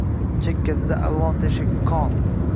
Chekkasida alvon teshik. Qon.